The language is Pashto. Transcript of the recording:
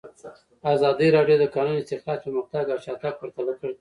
ازادي راډیو د د کانونو استخراج پرمختګ او شاتګ پرتله کړی.